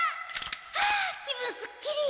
あ気分すっきり！